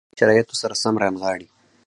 اجتماعي شرایطو سره سم رانغاړي.